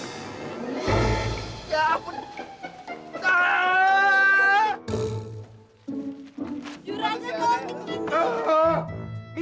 juragan lo harus bikin ini